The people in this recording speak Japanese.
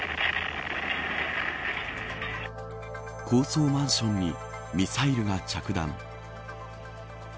高層マンションにミサイルが着弾。